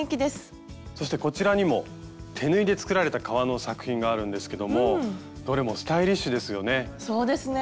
そしてこちらにも手縫いで作られた革の作品があるんですけどもどれもスタイリッシュですよね。